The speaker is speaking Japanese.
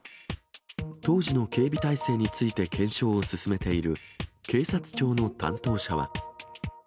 当時の警備体制について検証を進めている、警察庁の担当者は。